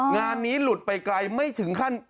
งานนี้หลุดไปไกลไม่ถึงขั้น